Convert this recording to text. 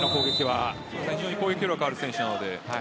非常に攻撃力のある選手なので。